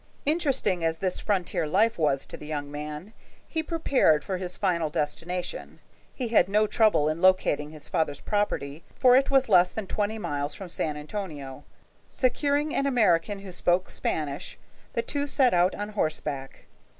Interesting as this frontier life was to the young man, he prepared for his final destination. He had no trouble in locating his father's property, for it was less than twenty miles from San Antonio. Securing an American who spoke Spanish, the two set out on horseback.